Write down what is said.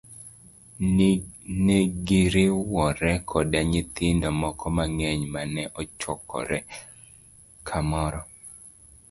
Negiriwore koda nyithindo moko mang'eny mane ochokore kamoro.